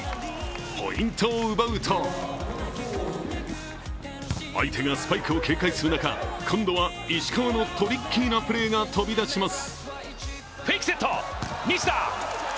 ポイントを奪うと相手がスパイクを警戒する中、今度は石川のトリッキーなプレーが飛び出します。